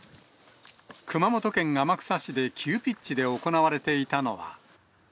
熊本県天草市で急ピッチで行われていたのは。